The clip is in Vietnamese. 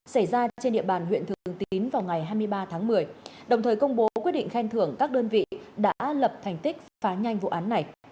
xảy ra trên địa bàn huyện thường tín vào ngày hai mươi ba tháng một mươi đồng thời công bố quyết định khen thưởng các đơn vị đã lập thành tích phá nhanh vụ án này